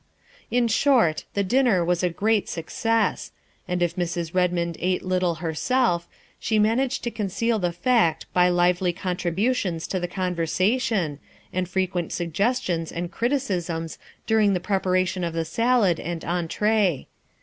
In short, the dinner was a great success, and if Mrs. Redmond ate little herself, she managed to conceal the fact by lively contributions to the conversation, and fre quent suggestions and criticisms during the preparation of the salad and entree.